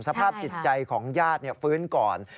สภาพจิตใจของญาติฟื้นก่อน